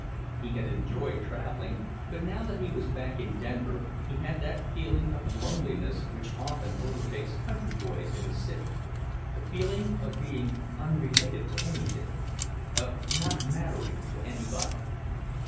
He had enjoyed travelling, but now that he was back in Denver he had that feeling of loneliness which often overtakes country boys in a city; the feeling of being unrelated to anything, of not mattering to anybody.